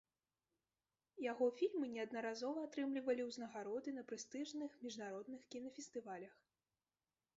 Яго фільмы неаднаразова атрымлівалі ўзнагароды на прэстыжных міжнародных кінафестывалях.